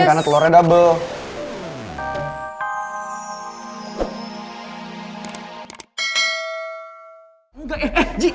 nggak eh eh ji